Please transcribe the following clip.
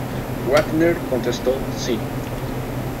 Wagner contestó: "Si.